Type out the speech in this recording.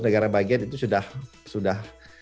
negara bagian itu sudah